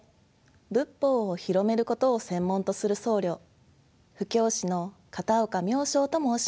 仏法を広めることを専門とする僧侶布教使の片岡妙晶と申します。